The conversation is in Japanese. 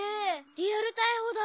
リアル逮捕だ！